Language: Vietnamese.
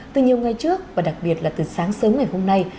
từ nhiều ngày trước và đặc biệt là từ sáng sớm ngày hôm nay